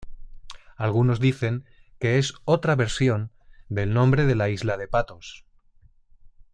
Algunos dicen que es otra versión del nombre la Isla de Patos.